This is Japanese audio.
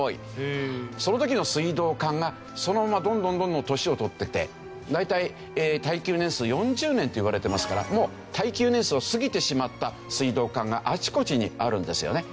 その時の水道管がそのままどんどんどんどん年を取ってて大体耐久年数４０年っていわれてますからもう耐久年数を過ぎてしまった水道管があちこちにあるんですよね。